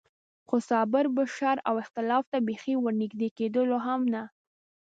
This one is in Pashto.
خو صابر به شر او اختلاف ته بېخي ور نږدې کېدلو هم نه.